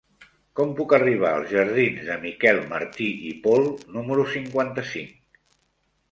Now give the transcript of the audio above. Com puc arribar als jardins de Miquel Martí i Pol número cinquanta-cinc?